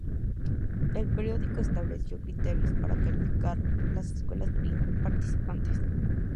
El periódico estableció criterios para calificar las escuelas participantes.